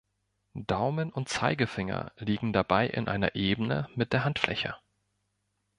Daumen und Zeigefinger liegen dabei in einer Ebene mit der Handfläche.